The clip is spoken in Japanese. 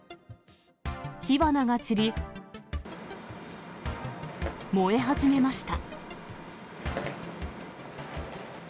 火花が散り、燃え始めました。